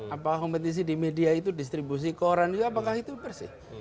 apakah kompetisi di media itu distribusi ke orang itu apakah itu bersih